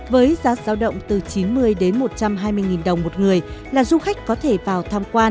với giá giao động từ chín mươi đến một trăm hai mươi đồng một người là du khách có thể vào tham quan